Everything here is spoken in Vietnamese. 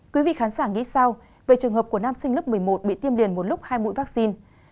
quý vị khán giả nghĩ sao về trường hợp của nam sinh lớp một mươi một bị tiêm liền một lúc hai mũi vaccine